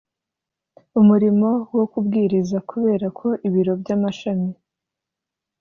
umurimo wo kubwiriza kubera ko ibiro by amashami